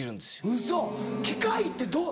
ウソ機械ってどう？